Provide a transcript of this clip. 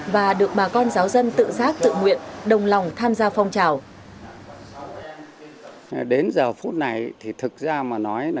và được bà con giáo dân tự giác tự nguyện đồng lòng tham gia phong trào